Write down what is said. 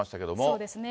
そうですね。